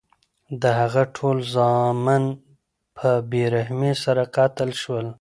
د هغه ټول زامن په بې رحمۍ سره قتل شول.